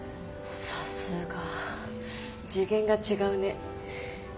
さすが次元が違うね。